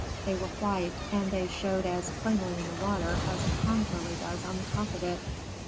They were white, and they showed as plainly in the water as a pond lily does on the top of it.